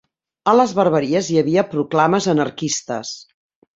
A les barberies, hi havia proclames anarquistes